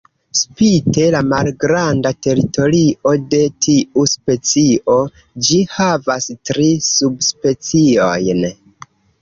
Spite la malgranda teritorio de tiu specio, ĝi havas tri subspeciojn.